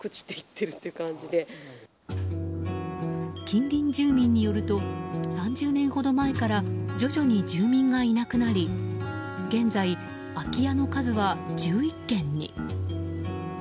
近隣住民によると３０年ほど前から徐々に住民がいなくなり現在、空き家の件数は１１軒に。